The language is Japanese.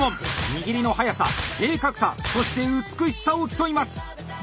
握りの早さ正確さそして美しさを競います！